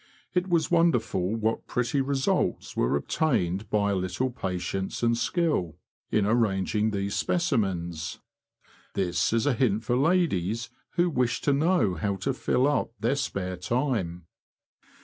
It was wonderful what pretty results were obtained by a little patience and skill in White Water Lily. arranging these specimens. This is a hint for ladies who wish to know how to fill up their spare time.